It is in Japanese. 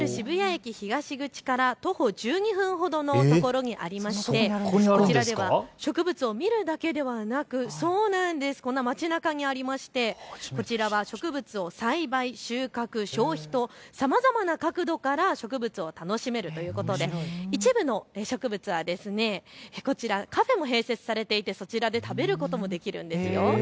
ＪＲ渋谷駅東口から徒歩１２分ほどのところにありましてこちらでは植物を見るだけではなく、植物を栽培、収穫、消費とさまざまな角度から植物を楽しめるということで一部の植物はカフェも併設されていてそちらで食べることもできるんですよ。